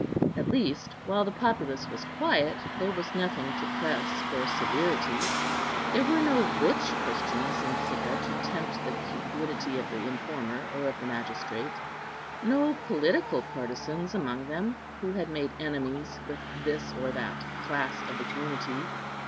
At least, while the populace was quiet, there was nothing to press for severity. There were no rich Christians in Sicca to tempt the cupidity of the informer or of the magistrate; no political partisans among them, who had made enemies with this or that class of the community.